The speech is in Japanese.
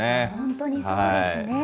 本当にそうですね。